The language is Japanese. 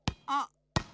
あっ！